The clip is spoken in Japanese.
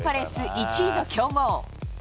１位の強豪。